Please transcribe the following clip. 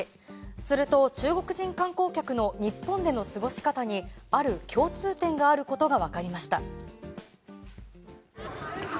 すると、中国人観光客の日本での過ごし方にある共通点があることが分かりました。